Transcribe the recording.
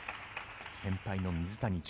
先輩の水谷隼。